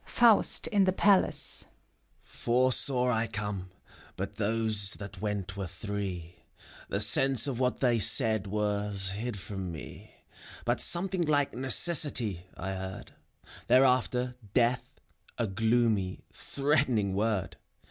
FAUST (in the Palace). Four saw I come, but those that went were three ; The sense of what they said was hid from me, But something like "Necessity^* I heard; Thereafter, " Death, *^ a gloomy, threatening word